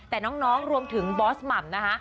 แต่น้องรวมถึงบอสหม่ำนะคะ